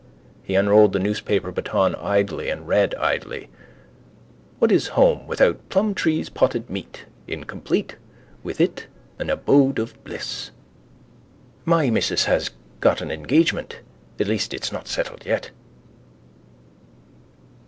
He unrolled the newspaper baton idly and read idly: What is home without Plumtree's Potted Meat? Incomplete. With it an abode of bliss. —My missus has just got an engagement. At least it's not settled yet.